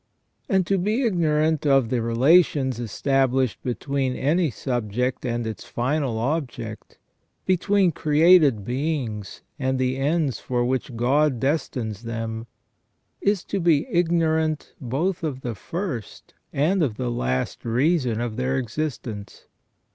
And to be ignorant of the relations established between any subject and its final object, between created beings and the ends for which God destines them, is to be ignorant both of the first and of the last reason of their existence.